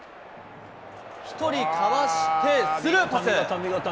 １人かわして、スルーパス。